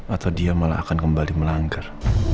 atau dia malah akan kembali melanggar